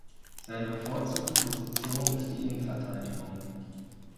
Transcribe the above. Seine bevorzugte Position ist die Innenverteidigung.